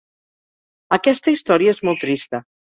Aquesta història és molt trista.